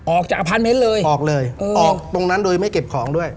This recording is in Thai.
ออกจากอพาร์ทเมนต์เลยออกเลยออกตรงนั้นโดยไม่เก็บของด้วย